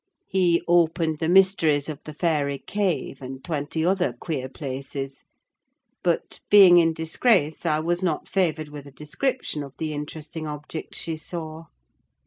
He opened the mysteries of the Fairy Cave, and twenty other queer places. But, being in disgrace, I was not favoured with a description of the interesting objects she saw.